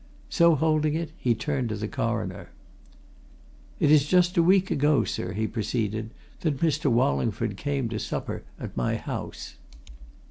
So holding it, he turned to the Coroner. "It is just a week ago, sir," he proceeded, "that Mr. Wallingford came to supper at my house.